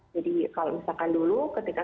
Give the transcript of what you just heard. jadi kalau misalkan dulu ketika